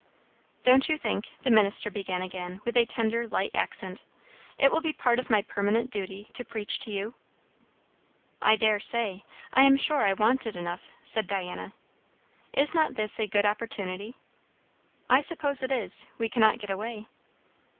"Don't you think," the minister began again with a tender, light accent, "it will be part of my permanent duty to preach to you?" "I dare say; I am sure I want it enough," said Diana. "Is not this a good opportunity?" "I suppose it is. We cannot get away."